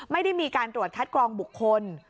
ไม่ได้มีการตรวจคัดกรองบุคคล